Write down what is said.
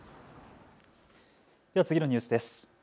次のニュースです。